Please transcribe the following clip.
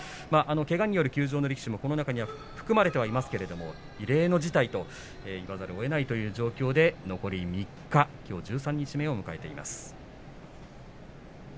けがによる休場者もこの中に含まれていますけれど異例の事態と言わざるをえない状況で残り３日きょう十三日目を迎えています。